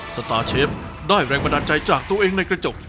สตาร์เชฟได้แรงบันดาลใจจากตัวเองในกระจก